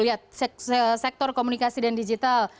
lihat sektor komunikasi dan digital